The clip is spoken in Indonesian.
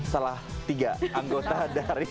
salah tiga anggota dari